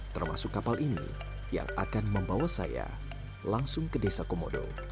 termasuk kapal ini yang akan membawa saya langsung ke desa komodo